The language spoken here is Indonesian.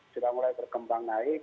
sudah mulai berkembang naik